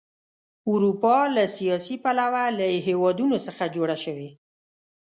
اروپا له سیاسي پلوه له هېوادونو څخه جوړه شوې.